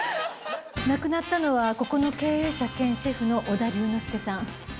亡くなったのはここの経営者兼シェフの織田龍之介さん。